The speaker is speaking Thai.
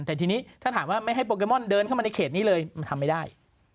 แต่ทีนี้ถ้าถามว่าไม่ให้โปเกมอนเดินเข้ามาในเขตนี้เลยมันทำไม่ได้